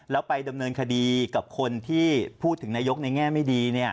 แล้วไปดำเนินคดีกับคนที่พูดถึงนายกในแง่ไม่ดี